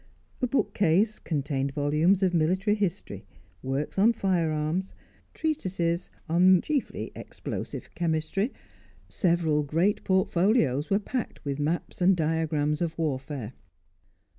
A bookcase contained volumes of military history, works on firearms, treatises on (chiefly explosive) chemistry; several great portfolios were packed with maps and diagrams of warfare.